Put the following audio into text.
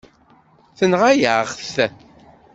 Tenɣa-yaɣ-t.